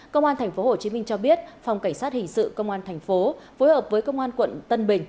công an thành phố hồ chí minh cho biết phòng cảnh sát hình sự công an thành phố phối hợp với công an quận tân bình